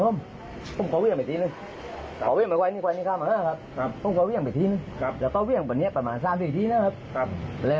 เออนะครับอืมเขาวันลุกมาอยู่ไหนผมก็ถ่อยไปอยู่ไหนแล้วเอ่อ